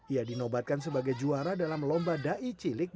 ia dinobatkan sebagai juara dalam lomba dai cilik